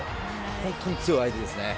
本当に強い相手ですね。